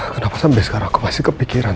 kenapa sampai sekarang aku pasti kepikiran